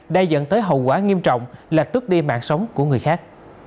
đã dẫn tới hậu quả nghiêm trọng là tước đi mạng sống của người khác